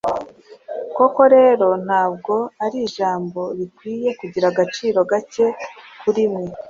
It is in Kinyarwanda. koko rero nta bwo ari ijambo rikwiye kugira agaciro gake kuri mwe;